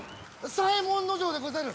左衛門尉でござる！